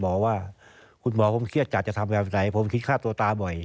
บอกว่าคุณหมอผมเครียดจัดจะทำแบบไหนผมคิดฆ่าตัวตายบ่อย